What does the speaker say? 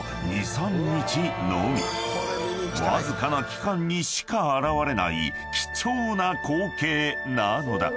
［わずかな期間にしか現れない貴重な光景なのだ］